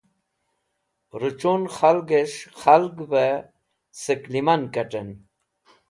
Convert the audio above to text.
Rochun khalges̃h khalgvẽ sẽk lẽman kat̃ẽn